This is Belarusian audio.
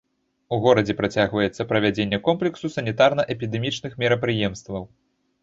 У горадзе працягваецца правядзенне комплексу санітарна-эпідэмічных мерапрыемстваў.